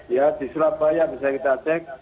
ya di surabaya bisa kita cek